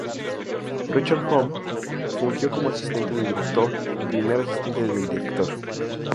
Richard Holm fungió como asistente del director y primer asistente de director.